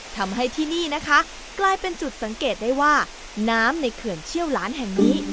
ทำให้ที่นี่นะคะกลายเป็นจุดสังเกตได้ว่าน้ำในเขื่อนเชี่ยวหลานแห่งนี้